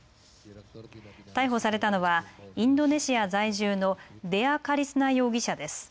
逮捕されたのはインドネシア在住のデア・カリスナ容疑者です。